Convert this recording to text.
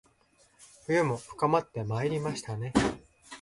冬も深まってまいりましたね